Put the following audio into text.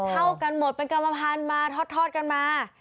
เท่ากันหมดเป็นกรรมภัณฑ์มาทอดกันมา